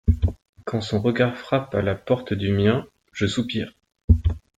quand son regard frappe à la porte du mien … je soupire !